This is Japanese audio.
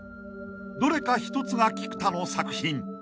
［どれか１つが菊田の作品］